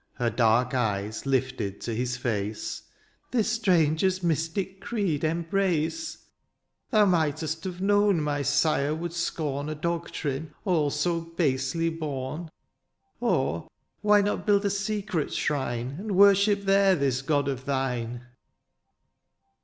Her dark eyes lifted to his foce, " This stranger's mystic creed embrace ?" Thou might'st have known my sire would scorn "A doctrine aU so basely bom. '^ Or, why not build a secret shrine, "And worship there this god of thine